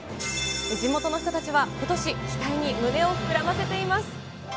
地元の人たちはことし、期待に胸を膨らませています。